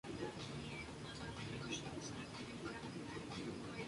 Licenciado en Letras por la Universidad de El Salvador.